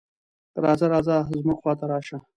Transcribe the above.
"راځه راځه زموږ خواته راشه".